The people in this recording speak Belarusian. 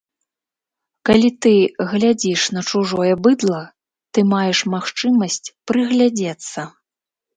Калі ты глядзіш на чужое быдла, ты маеш магчымасць прыглядзецца.